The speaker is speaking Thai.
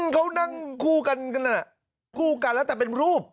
เขานั่งคู่กันคู่กันแล้วแต่เป็นรูป